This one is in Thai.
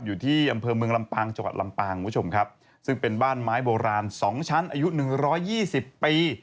อยู่ที่อำเภอเมืองลำปางจังหวัดลำปางคุณผู้ชมครับซึ่งเป็นบ้านไม้โบราณสองชั้นอายุหนึ่งร้อยยี่สิบปี